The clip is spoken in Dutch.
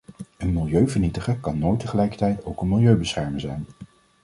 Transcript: Een milieuvernietiger kan nooit tegelijkertijd ook een milieubeschermer zijn.